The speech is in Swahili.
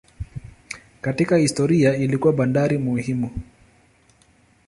Katika historia ilikuwa bandari muhimu.